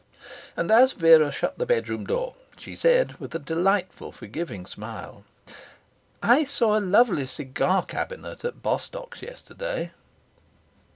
And as Vera shut the bedroom door, she said, with a delightful, forgiving smile 'I saw a lovely cigar cabinet at Bostock's yesterday.'